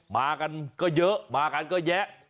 มากันก็เยอะมากันก็แยะ